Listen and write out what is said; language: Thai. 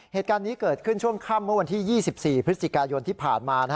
เหตุการณ์นี้เกิดขึ้นช่วงค่ำเมื่อวันที่๒๔พฤศจิกายนที่ผ่านมา